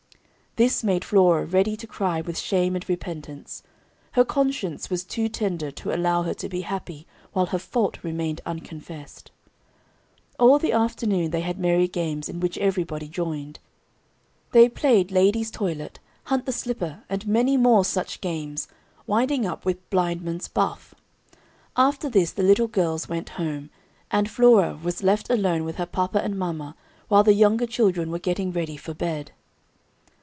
This made Flora ready to cry with shame and repentance. Her conscience was too tender to allow her to be happy while her fault remained unconfessed. All the afternoon they had merry games, in which everybody joined. They played "Lady's Toilet," "Hunt the Slipper," and many more such games, winding up with "Blindman's Buff." After this the little girls went home, and Flora was left alone with her papa and mama while the younger children were getting ready for bed.